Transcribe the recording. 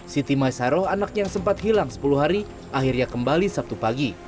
siti maisaroh anaknya yang sempat hilang sepuluh hari akhirnya kembali sabtu pagi